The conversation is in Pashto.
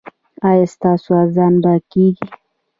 ایا ستاسو اذان به کیږي؟